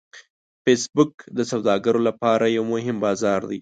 فېسبوک د سوداګرو لپاره یو مهم بازار دی